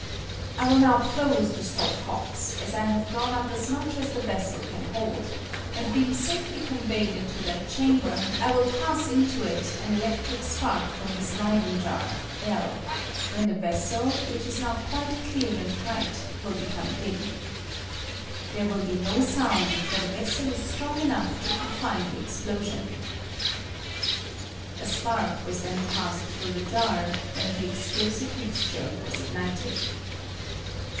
I will now close the stop cocka, as I have drawn up as much aa the vessel can hold, and being safely conveyed into that chamber, I will pass into it an electric spark from this Leyden jar (l), when the vessel, which is now quite clear and bright, will become dim. There will bo no sound, for the vessel is strong enough to confine the explosion. [A spark was then passed through the jar, when the explosive mixture was ignited.